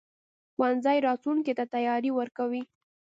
ښوونځی راتلونکي ته تیاری ورکوي.